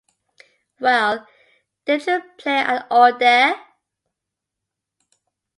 Well, didn't you play at all there?